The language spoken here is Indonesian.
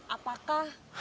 apakah kesejahteraan hewan